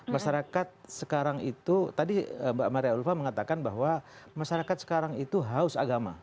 masyarakat sekarang itu tadi mbak maria ulfa mengatakan bahwa masyarakat sekarang itu haus agama